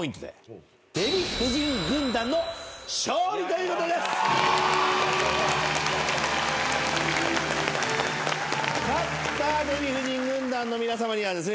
勝ったデヴィ夫人軍団の皆さまにはですね